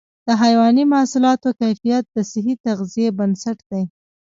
د حيواني محصولاتو کیفیت د صحي تغذیې بنسټ دی.